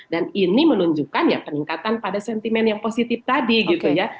dan ini menunjukkan ya peningkatan pada sentimen yang positif tadi gitu ya